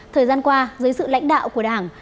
thời gian qua dưới sự lãnh đạo của đảng